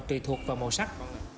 tùy thuộc vào màu sắc